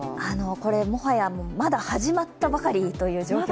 これ、もはやまだ始まったばかりという状況で。